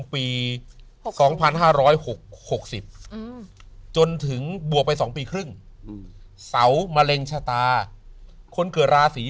ปี๒๕๖๖๐จนถึงบวกไป๒ปีครึ่งเสามะเร็งชะตาคนเกิดราศี